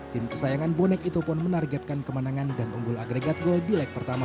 tim kesayangan bonek itu pun menargetkan kemenangan dan unggul agregat gol di leg pertama